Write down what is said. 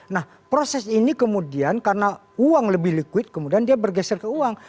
nah proses ini kemudian karena uang lebih liquid kemudian dia bergeser ke uang